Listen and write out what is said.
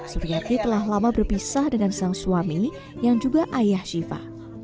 suryati telah lama berpisah dengan sang suami yang juga ayah shiva